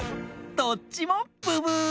どっちもブブー！